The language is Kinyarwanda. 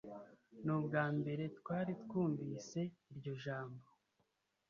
N’ubwa mbere twari twumvise iryo jambo,